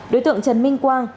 đối tượng trần minh quang